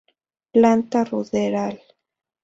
Planta ruderal.